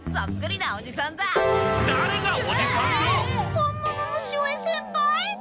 本物の潮江先輩！？